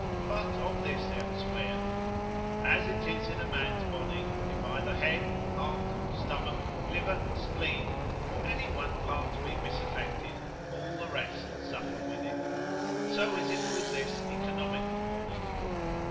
But of this elsewhere. As it is in a man's body, if either head, heart, stomach, liver, spleen, or any one part be misaffected, all the rest suffer with it: so is it with this economical body.